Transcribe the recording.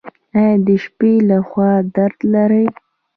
ایا د شپې لخوا درد لرئ؟